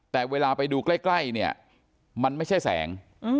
แต่เวลาไปดูใกล้เนี่ยมันไม่ใช่แสง